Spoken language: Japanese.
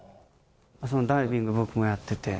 ダイビング、僕もやってて。